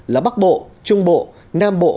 là bắc bộ trung bộ nam bộ